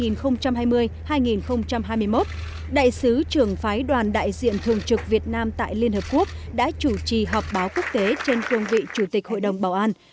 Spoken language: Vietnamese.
năm hai nghìn hai mươi hai nghìn hai mươi một đại sứ trưởng phái đoàn đại diện thường trực việt nam tại liên hợp quốc đã chủ trì họp báo quốc tế trên cương vị chủ tịch hội đồng bảo an